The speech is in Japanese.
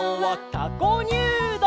「たこにゅうどう」